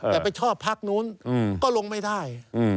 แต่ไปชอบพักนู้นก็ลงไม่ได้